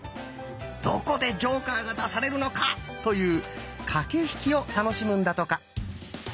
どこでジョーカーが出されるのかという駆け引きを楽しむんだとか。